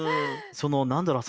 何だろう？